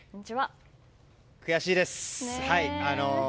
悔しいです。